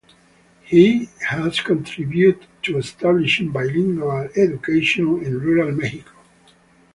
He has contributed to establishing bilingual education in rural Mexico.